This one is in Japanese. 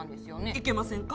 いけませんか？